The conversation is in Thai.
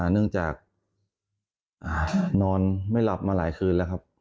เนื่องจากนอนไม่หลับมาหลายคืนแล้วครับ